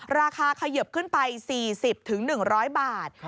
ราคาขยบขึ้นไป๔๐ถึง๑๐๐บาท